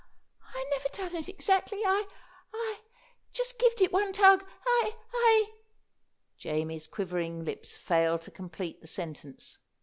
"I never done it exactly. I I just gived it one tug. I I " Jamie's quivering lips failed to complete the sentence.